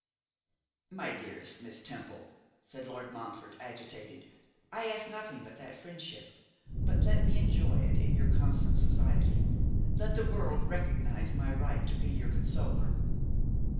'Ah, dearest Miss Temple,' said Lord Montfort, agitated, 'I ask nothing but that friendship; but let me enjoy it in your constant society; let the world recognise my right to be your consoler.